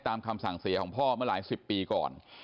คำสั่งเสียของพ่อเมื่อหลายสิบปีก่อน